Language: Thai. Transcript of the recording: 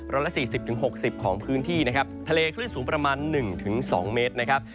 ร้อยละ๔๐๖๐ของพื้นที่นะครับทะเลคลื่นสูงประมาณ๑๒เมตรนะครับ